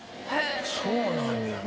そうなんや。